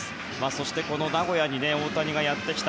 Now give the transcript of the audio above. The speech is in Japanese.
そしてこの名古屋に大谷がやってきた。